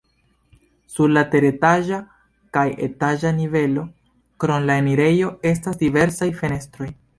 Sur la teretaĝa kaj etaĝa nivelo krom la enirejo estas diversaj fenestroj.